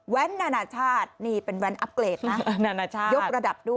แว่นนานาชาตินี่เป็นแว่นอัพเกรดนะยกระดับด้วยนานาชาติ